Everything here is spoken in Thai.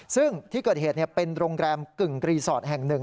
ซึ่งที่เกิดเหตุเป็นโรงแรมกึ่งรีสอร์ทแห่งหนึ่ง